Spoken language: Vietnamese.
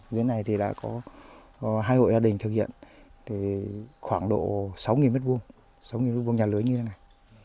sáu m hai nhà lưới như thế này